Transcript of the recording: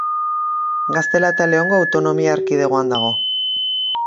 Gaztela eta Leongo autonomia erkidegoan dago.